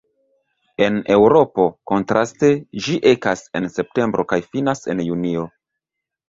En Eŭropo, kontraste, ĝi ekas en septembro kaj finas en junio.